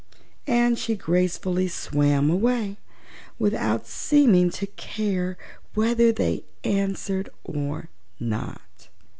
And she gracefully swam away, without seeming to care whether they answered or not.